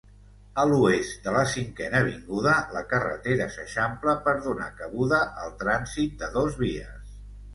A l'oest de la Cinquena Avinguda, la carretera s'eixampla per donar cabuda al trànsit de dos vies.